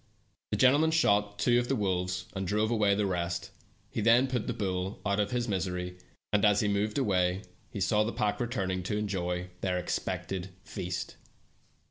The gentleman shot two of the wolves, and drove away the rest ; he yien put the bull out of his misery, and as he mo.t^ed away he saw the pack returning to enjoy their expected feast.